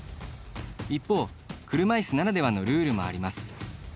一方、車いすならではのルールもあります。